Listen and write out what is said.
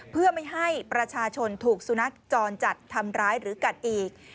เพื่อไม่ให้ประชาชนถูกสุนัขจรจัดทำร้ายหรือกัดอีก